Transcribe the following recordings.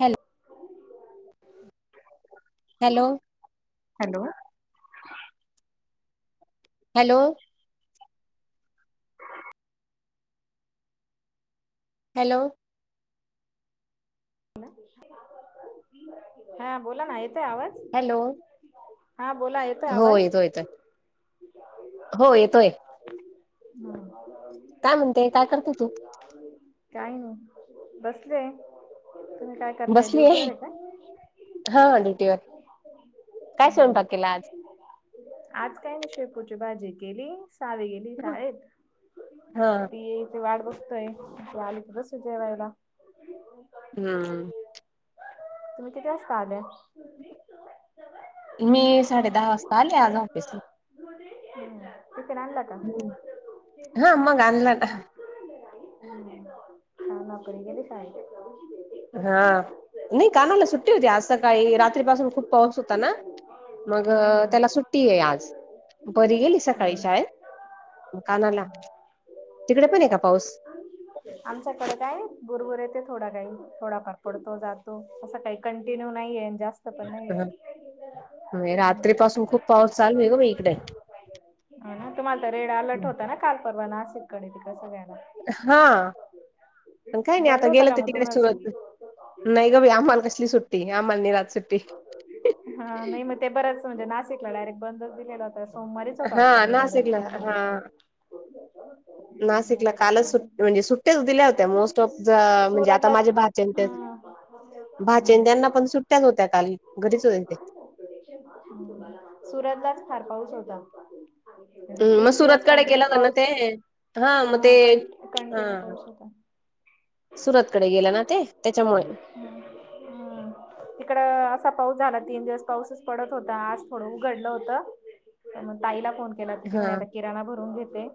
Hello hello hello hello hello नाही कात हा बोला ना येतोय आवाज हॅलो हा बोला आहे हो येतो येत हो येतोय हम काय म्हणतेय काय करते तू कायम बसले तुम्ही काय करताय बसली ड्युटीवर आहे का हा ड्युटीवर काय हम्म. स्वयंपाक केला आज आज काय नि श पुूज बाजी केली सावी गेली शाळेत हा ती. ते वाट बसतय त आली तर बस जेवायला हां. तुम्ही किती वेष काले. मी साडे दहा वाजता आले आज ऑफिसला हम्म इप नला हो. हा आम गाानला ना हम् नकरी केली शाही हा नाही कानाला सुट्टी होती असं काळी रात्रीपासून खूप पाऊस होता ना. मग हा हा त्याला सुट्टी आहे आज बरी गेली सकाळी हम्म शाळेत. कानाला हम्म. तिकडे पण आहे का पाऊस. आमच्याकडे काय बुरबुर आहे ते थोडा काही थोडाफार पडतो जातो असं काही. कंटिन्यू नाही जास् रात्री पासून खूप पाऊस चालू आहे ग म इकडे. हा ना तुम्हाला तर रेड अलर्ट होता ना काल परवा नाशिककडे तिक सगळ्यांना- हा पण काय नाही बंद आता होता गेलं का तर मग तिकडे तुम्हाला सुबत नाही गवी आम्हाल कसली सुट्टी आम्हाल रात सुट्टी हा म म ते बरच म्हजे नािकला डयरेट ब दिले. सोमवारीचत हा वाटत रेड अलर्ट नाशिकला हा सोमवारप नाशिकला कालच म्हणजे सुट्ट्याच दिल्या होत्या मोस्ट ऑफ द म्हणजे आता माझ्या भ हम ह त्यांना पण सुट्ट्याच होत्या काा घरीच हो. सुरतलाच फार पाऊस होता. म्हणजे अं, मग तीन दिवस सुरतकडे कंटिन्यू गेला होता ना पाऊस ते हा मग ह ते क हा कंटिन्यू पाऊस होता. सुरतकडे गेलं ना ते त्याच्यामुळे हम् तिकड असा पाऊस झाला तीन दिवस. पाऊसच पडत होता आज थोडं उघडलं होत मग ताईला फोन केला हो ती हा म्हणा. किराणा भरून घेते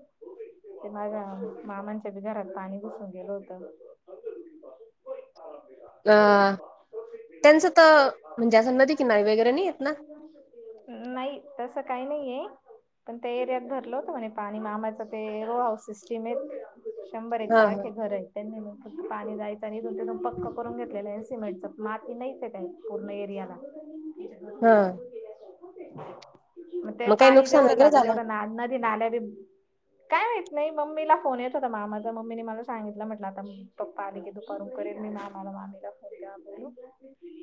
ते माझ्या मामांच्या बी घरात पाणी घुसून गेलं होत. अ त्यांचं तर म्हणजे असं नदी किनारी वगैरे नाही येत ना. नाही तसं काही नाहीये. पण त्या एरियात भरलं होतं म्हणे पाणी मामाचा ते रो हाऊस सिस्टीम आहे. शंभर एक हा हा सारखे घर आहे. त्यांनी फ पाणी जायचं आणि इथून तेथून पक्क करून घेतलेलं आहे सिमेंटच माती नाहीच काही पूर्ण एरयाला. हा. मग ते काही पाणी नुकसान जेवढं वगैरे जात झालं तेवढं ना नदी नाल्या बी काय माहत नाही मम्मीला फोन येत होता माझ मम्मीनेनी मला सांगितलं म्हटलं आता. पप्पा आली के दुकान उ करेल मी मामाला मामीला फोन द्यावा बोलोलू.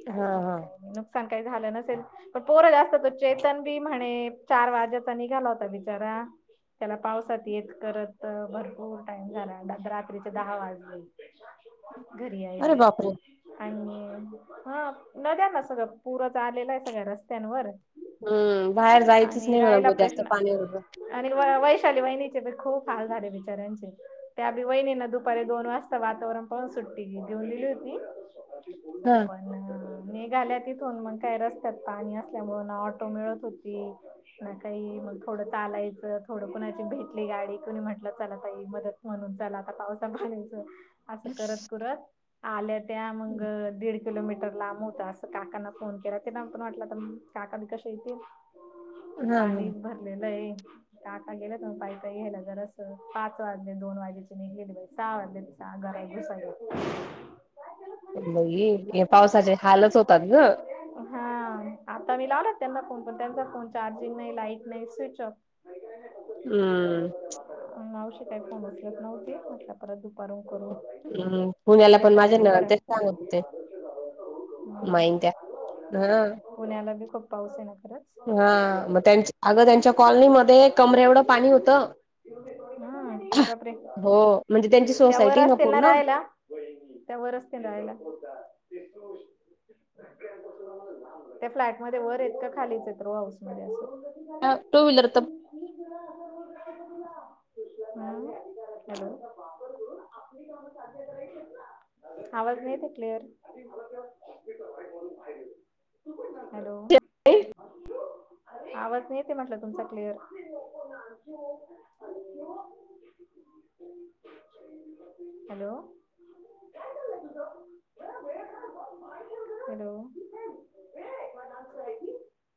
काय हा झालं हा काही नाही नुकसान काही झालं नसेल पण पोरं जास्त. चेतन बी म्हणे चार वाजेचा निघाला होता बिचारा त्याला पावसात येत करत भरपूर टाइम झाला रात्रीचे दहा वाजे घरी आईला. अरे बापरे आणि हा नद्यांना सगळं पुरच आलेलं आहे सगळ्या रस्त्यांवर. हम्म बाहेर जायचंच आणि नाही म्हणा राहिला ब जास्त प्रश्न पाणी व आणि व वैशाली वहिणीचे तर खूप हाल झाले बिचाऱ्यांचे. त्याआधी वहिनीने दुपारी दोन वाजता वातावरण पाहून सुट्टी घेऊन दिली होती. हा पण निघाल्यात इथून मग काय रस्त्यात पाणी असल्यामुळे ऑटो मिळत होती. ना काही मग थोडं तालायचं थोडं कुणाची भेटली गाडी कुणी म्हटलं चला काही मदत. म्हणून झाला आता पावसा बलायचय. असं करत करुत आल्या त्या मग दीड किलोमीटर लांब होता अस काकना फोन केला ते ना पण वाटला काका मी कशे येतील हा पाणी हा भर ला ये. काका गेला तर पाहि का गला जर अस पाच वाजले दोन वाजेचे मी गेली बा सहा वाजले. त्या घरात [unintelligible] बाई हे पावसाचे हालच होतात गं. हा. आ - - ता मी लावला त्यांचा फोन पण त्यांचा फोन चार्जिंग नाही. लाईट नाही. Switch off. हं. मावशी काही फोन उचलत नव्हती. म्हटलं परत दुपारून करू. हम. त्यांनी पुण्याला बी पण आता माझ्या नवीन घर ननद तेच सांगत होते. माही त्या. ह. पुण्याला बी खूप पाऊस आहे ना खर? हा. मग त्यांच अगं त्यांच्या कॉलनीमध्ये कमरे एवढं पाणी होतं. हम्म बापरे हो. म्हणजे त्यांची त्या वर सोसायटी हेना असतील ना पूर्ण. राहायला? त्या वर असते राहायला. त्या फ्लॅटमध्ये वर हेत का खालीच आहेत रो हाऊस मध्ये असं? ह टू विलर त हम्म [inaudible] आवाज नाहीे ऐतये क्लिअर. आणि मला त्या हॅलो. तर आवाज नाही येते म्हटलं तुमचा क्लिअर. [inaudible] हॅलो. हॅलो. [inaudible]